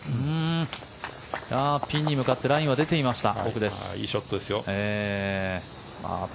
ピンに向かってラインは出ていました。